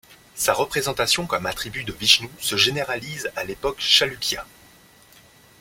Sa représentation comme attribut de Vishnu se généralise à l'époque Chalukya.